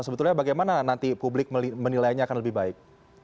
sebetulnya bagaimana nanti publik menilainya akan lebih baik